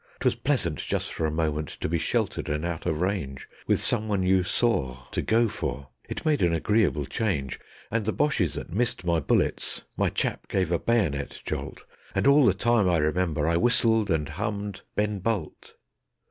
'Twas pleasant just for a moment to be sheltered and out of range, With someone you SAW to go for it made an agreeable change. And the Boches that missed my bullets, my chaps gave a bayonet jolt, And all the time, I remember, I whistled and hummed "Ben Bolt".